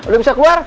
udah bisa keluar